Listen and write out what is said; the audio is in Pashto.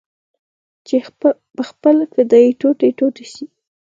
چې پخپله فدايي ټوټې ټوټې سي.